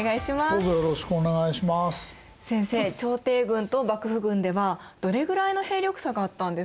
朝廷軍と幕府軍ではどれくらいの兵力差があったんですか？